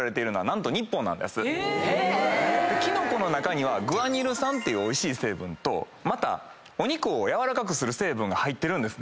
キノコの中にはグアニル酸っていうおいしい成分とまたお肉をやわらかくする成分が入ってるんですね。